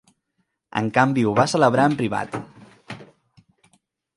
En canvi ho va celebrar en privat.